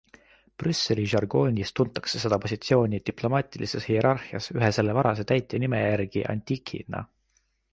Brüsseli žargoonis tuntakse seda positsiooni diplomaatilises hierarhias ühe selle varase täitja nime järgi antici'na.